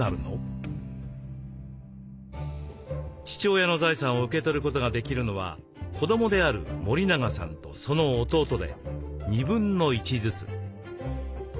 父親の財産を受け取ることができるのは子どもである森永さんとその弟で1/2ずつ。